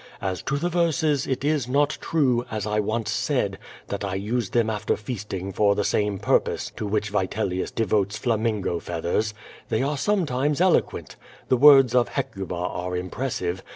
As to the verses it is not true, as I once said, that 1 use them after feasting for the same pur pose to which Vitelius devotes flamingo feathers. They are sometimes eloquent. The words of Hecuba are impressive.